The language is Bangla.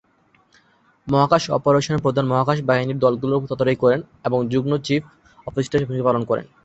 মহাকাশ অপারেশন প্রধান মহাকাশ বাহিনীর দলগুলির উপর তদারকি করেন এবং যুগ্ম চিফ অফ স্টাফ হিসাবে ভূমিকা পালন করেন।